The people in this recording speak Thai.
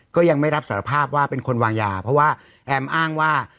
ก็ยังไม่รับสารภาพว่าเป็นคนวางยาเพราะว่าแอมอ้างว่า